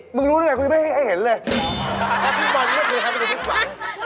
มึงรู้ตัวไงกูยังไม่ให้เห็นเลย